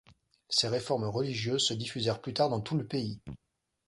Ses réformes religieuses se diffusèrent plus tard dans tout le pays.